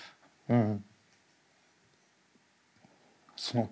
うん。